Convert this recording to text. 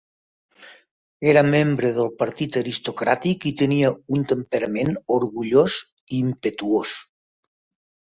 Era membre del partit aristocràtic i tenia un temperament orgullós i impetuós.